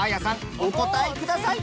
お答えください。